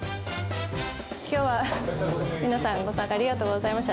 きょうは皆さん、ご参加ありがとうございました。